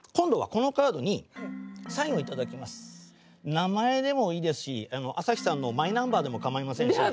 名前でもいいですし朝日さんのマイナンバーでも構いません。